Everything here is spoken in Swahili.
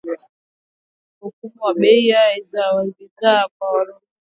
mfumuko wa bei za bidhaa kwa wanunuzi, uku eneo hilo likiendelea kutikiswa na